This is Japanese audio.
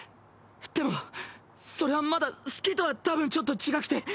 でもそれはまだ好きとはたぶんちょっと違くて。